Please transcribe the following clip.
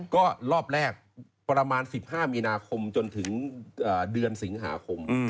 ก็รอบแรกประมาณ๑๕มีนาคมจนถึงเดือนสิงหาคม